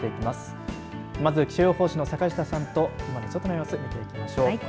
まずは気象予報士の坂下さんとお伝えしていきましょう。